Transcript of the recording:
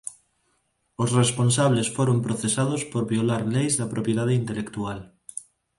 Os responsables foron procesados por violar leis da propiedade intelectual.